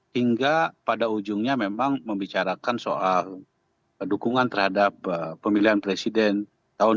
hingga pada ujungnya memang membicarakan soal dukungan terhadap pemilihan presiden tahun dua ribu dua puluh